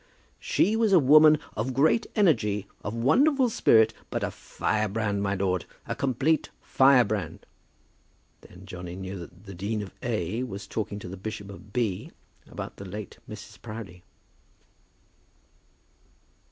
"She was a woman of great energy, of wonderful spirit, but a firebrand, my lord, a complete firebrand!" Then Johnny knew that the Dean of A. was talking to the Bishop of B. about the late Mrs. Proudie.